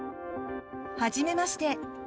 はじめまして！